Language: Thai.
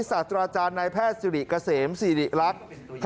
ศาสตราจารย์นายแพทย์สิริเกษมสิริรักษ์